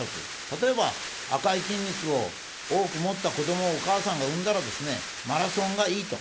例えば、赤い筋肉を多く持った子どもをお母さんが産んだらですね、マラソンがいいと。